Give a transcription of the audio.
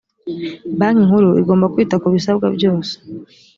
banki nkuru igomba kwita ku bisabwa byose